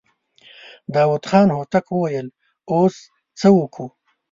داوود خان هوتک وويل: اوس څه وکو؟